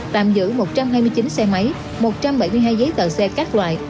tạm giữ một trăm hai mươi chín xe máy một trăm bảy mươi hai giấy tờ xe các loại